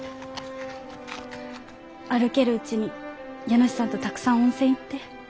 歩けるうちに家主さんとたくさん温泉行って。